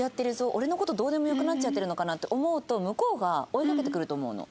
「俺の事どうでもよくなっちゃってるのかな？」って思うと向こうが追いかけてくると思うの。